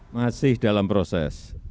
masih dalam proses